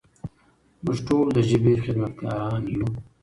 موږ ټول د ژبې خدمتګاران یو.